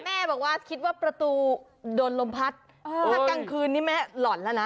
แม่บอกว่าคิดว่าประตูโดนลมพัดถ้ากลางคืนนี้แม่หล่อนแล้วนะ